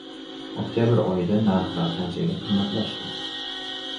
Oktyabr oyida narxlar qanchaga qimmatlashdi?